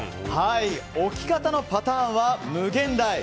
置き方のパターンは無限大。